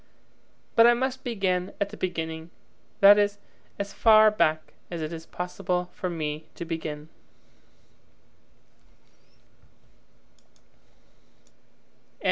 But I must begin at the beginning, that is, as far back as it is possible for me to begin.